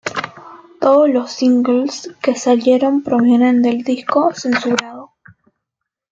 Todos los singles que salieron provienen del disco censurado.